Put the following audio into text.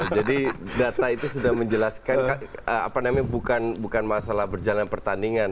jadi data itu sudah menjelaskan apa namanya bukan masalah berjalan pertandingan